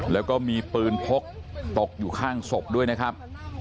แล้วก็มีปืนพกตกอยู่ข้างศพด้วยนะครับ